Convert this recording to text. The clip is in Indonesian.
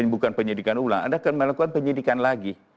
bukan penyidikan ulang anda akan melakukan penyidikan lagi